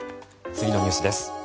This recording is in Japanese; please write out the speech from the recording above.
次のニュースです。